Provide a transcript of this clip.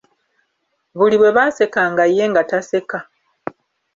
Buli bwe baasekanga ye nga taseka!.